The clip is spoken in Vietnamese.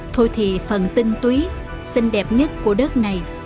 thôi thì phần tinh túy xinh đẹp nhất của đất này